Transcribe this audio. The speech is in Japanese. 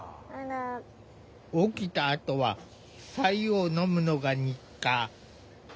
起きたあとはさ湯を飲むのが日課。